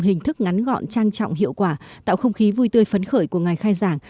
hình thức ngắn gọn trang trọng hiệu quả tạo không khí vui tươi phấn khởi của ngày khai giảng